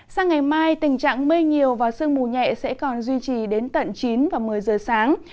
sang ngày mai tình trạng mây nhiều và sương mù nhẹ sẽ còn duy trì đến tận chín và một mươi giờ sáng